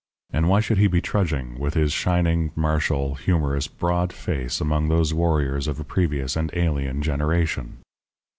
And why should he be trudging, with his shining, martial, humorous, broad face, among those warriors of a previous and alien generation?